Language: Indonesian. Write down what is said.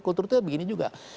kultur kita begini juga